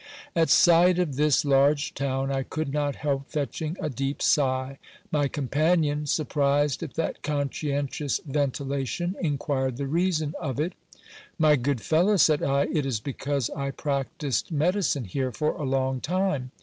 At sight of this large town, I could not help fetching a deep sigh. My com panion, surprised at that conscientious ventilation, inquired the reason of it. My good fellow, said I, it is because I practised medicine here for a long time.